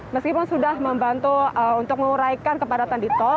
meskipun sudah membantu untuk menguraikan kepadatan di tol